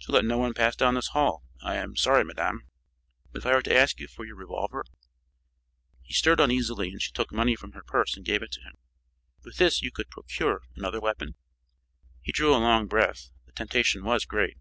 "To let no one pass down this hall. I am sorry, madame." "But if I were to ask you for your revolver?" He stirred uneasily and she took money from her purse and gave it to him. "With this you could procure another weapon?" He drew a long breath; the temptation was great.